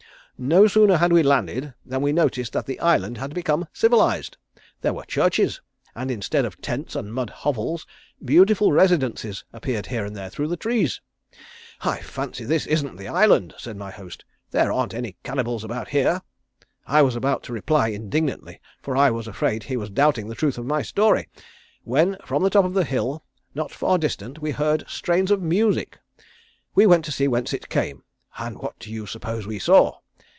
"No sooner had we landed than we noticed that the Island had become civilised. There were churches, and instead of tents and mud hovels, beautiful residences appeared here and there, through the trees. 'I fancy this isn't the island,' said my host. 'There aren't any cannibals about here.' I was about to reply indignantly, for I was afraid he was doubting the truth of my story, when from the top of a hill, not far distant, we heard strains of music. We went to see whence it came, and what do you suppose we saw?